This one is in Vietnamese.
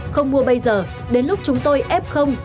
không mua bây giờ đến lúc chúng tôi ép không